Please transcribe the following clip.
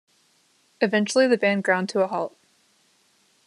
Eventually the band ground to a halt.